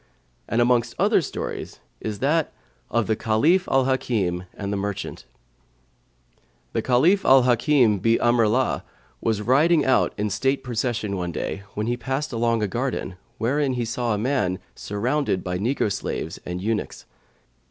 And amongst other stories is that of THE CALIPH AL HAKIM[FN#123] AND THE MERCHANT The Caliph Al Hαkim bi Amri'llah was riding out in state procession one day, when he passed along a garden, wherein he saw a man, surrounded by negro slaves and eunuchs.